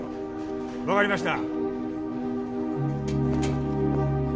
分かりました。